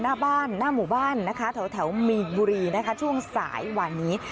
หน้าบ้านหน้าหมู่บ้านนะคะแถวมีนบุรีนะคะช่วงสายหวานนี้